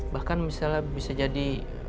bahkan misalnya bisa jadi